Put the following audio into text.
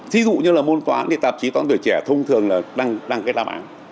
thí dụ như là môn toán thì tạp chí toán tuổi trẻ thông thường là đăng cái đáp án